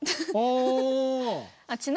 ああ。